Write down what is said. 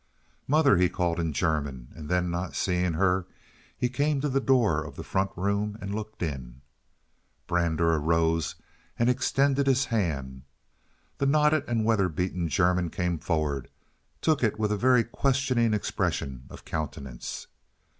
"Mother," he called, in German, and, then not seeing her, he came to the door of the front room and looked in. Brander arose and extended his hand. The knotted and weather beaten German came forward, and took it with a very questioning expression of countenance.